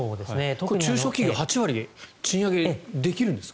中小企業８割、賃上げできるんですか。